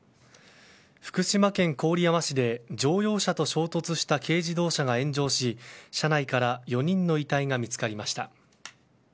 福島県郡山市で乗用車と衝突した軽自動車が炎上し車内から４人の遺体が見つかりました。